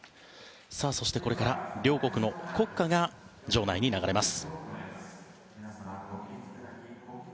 そして、これから両国の国歌が場内に流れます。